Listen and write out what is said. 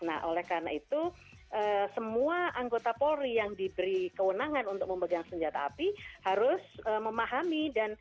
nah oleh karena itu semua anggota polri yang diberi kewenangan untuk memegang senjata api harus memahami dan